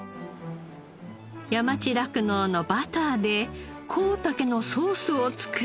山地酪農のバターで香茸のソースを作れば。